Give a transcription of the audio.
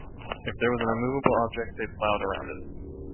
If there was an unmovable object, they plowed around it.